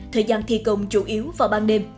thời gian thi công chủ yếu vào ban đêm